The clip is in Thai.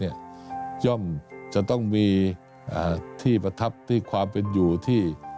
ย่อมจะต้องมีที่ประทับที่ความเป็นอยู่ที่